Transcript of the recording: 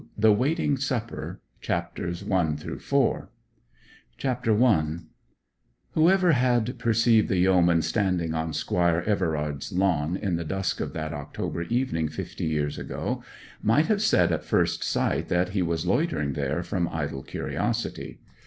THE WAITING SUPPER CHAPTER I Whoever had perceived the yeoman standing on Squire Everard's lawn in the dusk of that October evening fifty years ago, might have said at first sight that he was loitering there from idle curiosity.